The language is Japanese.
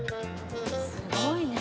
すごいね。